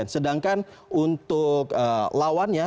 sedangkan untuk lawannya